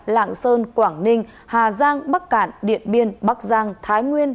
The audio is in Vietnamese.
lạng sơn quảng ninh hà giang bắc cạn điện biên bắc giang thái nguyên